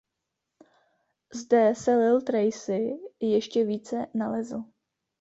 Zde se Lil Tracy ještě více nalezl.